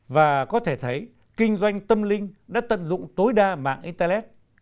và có thể thấy kinh doanh tâm linh đã tận dụng tối đa mạng internet